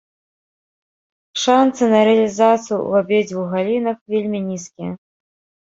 Шанцы на рэалізацыю ў абедзвюх галінах вельмі нізкія.